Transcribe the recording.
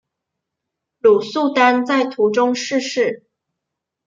鲁速丹在途中逝世。